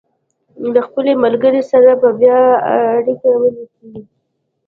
له خپلې ملګرې سره به بیا اړیکه ونیسي.